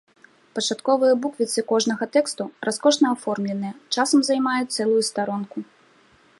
Пачатковыя буквіцы кожнага тэксту раскошна аформленыя, часам займаюць цэлую старонку.